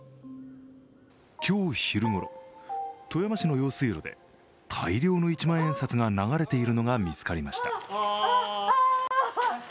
今日昼ごろ富山市の用水路で大量の一万円札が流れているのが見つかりました。